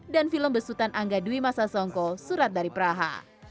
dan film besutan angga dwi masa songko surat dari praha